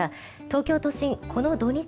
東京都心、この土日